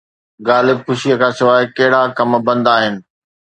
غالب خوشيءَ کان سواءِ ڪهڙا ڪم بند آهن؟